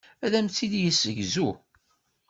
Ad am-t-id-yessegzu.